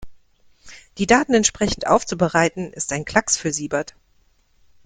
Die Daten entsprechend aufzubereiten, ist ein Klacks für Siebert.